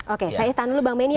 oke saya tahan dulu bang benny